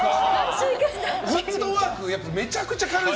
フットワークめちゃくちゃ軽い。